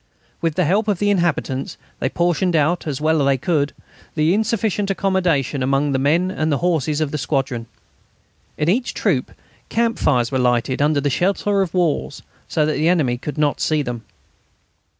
With the help of the inhabitants they portioned out, as well as they could, the insufficient accommodation among the men and the horses of the squadrons. In each troop camp fires were lighted under shelter of the walls so that the enemy should not see them.